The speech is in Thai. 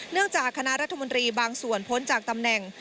จากคณะรัฐมนตรีบางส่วนพ้นจากตำแหน่ง